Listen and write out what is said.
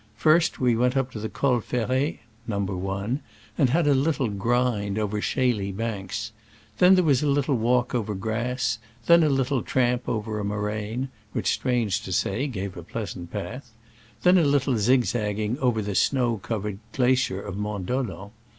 First we went up to the Col Ferret (No. i), and had a little grind over shaly banks ; then there was a little walk over grass ; then a little tramp over a moraine (which, strange to say, gave a pleasant path) ; then a little zig zagging over the snow covered glacier of Mont Dolent.